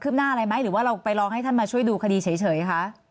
หน้าอะไรไหมหรือว่าเราไปร้องให้ท่านมาช่วยดูคดีเฉยคะ